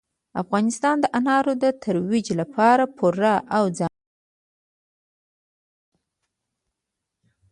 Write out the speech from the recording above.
افغانستان د انارو د ترویج لپاره پوره او ځانګړي پروګرامونه لري.